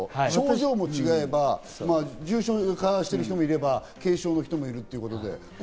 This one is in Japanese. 症状も違えば、重症化してる人もいれば軽症の人もいる。